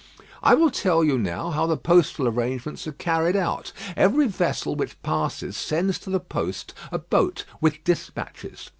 I will tell you now how the postal arrangements are carried out. Every vessel which passes sends to the post a boat with despatches.